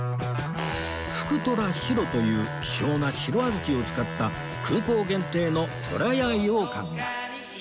「福とら白」という希少な白小豆を使った空港限定のとらや羊羹が